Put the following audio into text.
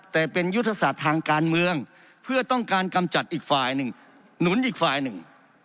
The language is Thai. แต่เป็นยุทธศาสตร์ทางการเมืองเพื่อต้องการกำจัดอีกฝ่ายหนึ่งหนุนอีกฝ่ายหนึ่ง